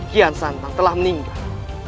kian santang telah meninggal